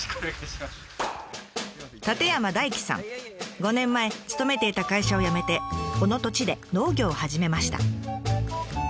５年前勤めていた会社を辞めてこの土地で農業を始めました。